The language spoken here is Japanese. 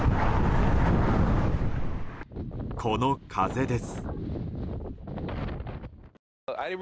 この風です。